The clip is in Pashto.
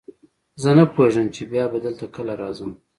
زه نه پوهېږم چې بیا به دلته کله راځم.